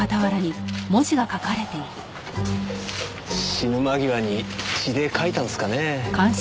死ぬ間際に血で書いたんすかね。